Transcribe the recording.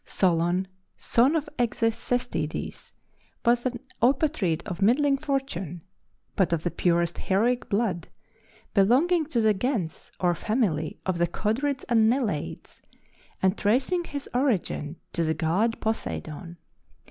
Solon, son of Execestides, was a Eupatrid of middling fortune, but of the purest heroic blood, belonging to the gens or family of the Codrids and Neleids, and tracing his origin to the god Poseidon.